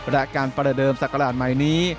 และการประเดิมศักราชใหม่นี้